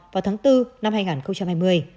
vào tháng bốn năm hai nghìn hai mươi